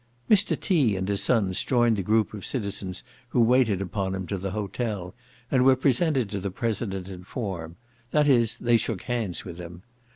Mr. T. and his sons joined the group of citizens who waited upon him to the hotel, and were presented to the President in form; that is, they shook hands with him.